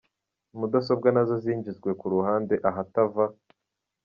Mudasobwa nazo zigijwe ku ruhande ahatava.